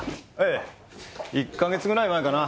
ええ１か月ぐらい前かな。